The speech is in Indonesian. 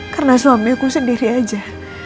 karena suami aku sendiri aja